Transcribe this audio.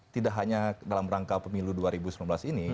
tidak hanya dalam rangka pemilu dua ribu sembilan belas ini